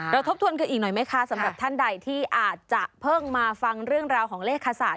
ทบทวนกันอีกหน่อยไหมคะสำหรับท่านใดที่อาจจะเพิ่งมาฟังเรื่องราวของเลขาศาสต